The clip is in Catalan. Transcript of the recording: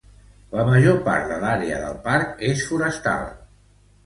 La major part de l'àrea del parc és forestal.